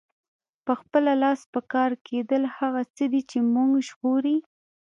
په خپله لاس پکار کیدل هغه څه دي چې مونږ ژغوري.